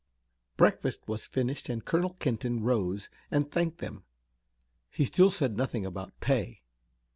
Breakfast was finished and Colonel Kenton rose and thanked them. He still said nothing about pay.